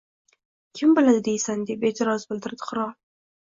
Kim biladi deysan, — deb e’tiroz bildirdi qirol.—